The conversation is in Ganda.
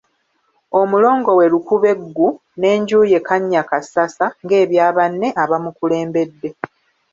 Omulongo we Lukubeggu n'enju ye Kannyakassasa ng'ebya banne abamukulembedde.